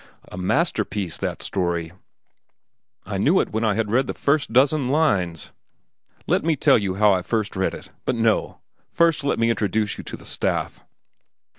A masterpiece, that story—I knew it when I had read the first half dozen lines. Let me tell you how I first read it. But no; first let me introduce you to the staff."